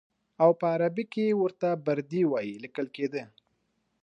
او په عربي کې ورته بردي وایي لیکل کېده.